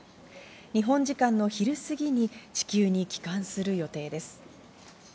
日本時間の昼過ぎに地球に帰還する予定です。